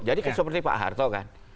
jadi seperti pak harto kan